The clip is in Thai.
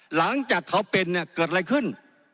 หลังจากเขาเป็นเนี่ยเกิดอะไรขึ้น